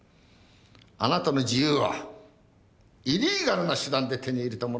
あなたの自由はイリーガルな手段で手に入れたものです。